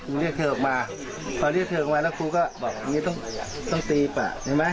เรียกเธอออกมาพอเรียกเธอออกมาแล้วครูก็บอกอย่างนี้ต้องต้องตีปะใช่ไหม